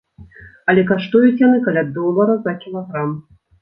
Але каштуюць яны каля долара за кілаграм.